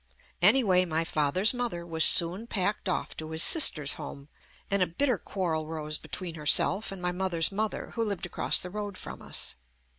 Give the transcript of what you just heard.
Anyway, my father's mother was soon packed off to his sister's home, and a bitter quarrel arose between herself and my mother's mother who lived across the road from us.